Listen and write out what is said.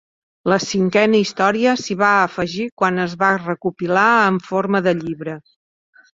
La cinquena història s'hi va afegir quan es va recopilar en forma de llibre.